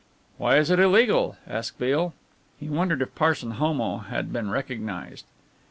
"Why is it illegal?" asked Beale. He wondered if Parson Homo had been recognized.